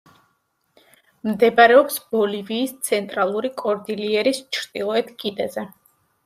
მდებარეობს ბოლივიის ცენტრალური კორდილიერის ჩრდილოეთ კიდეზე.